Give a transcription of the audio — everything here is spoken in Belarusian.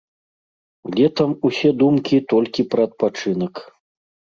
Летам усе думкі толькі пра адпачынак.